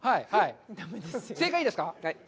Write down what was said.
正解いいですか。